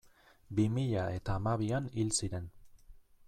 Bi mila eta hamabian hil ziren.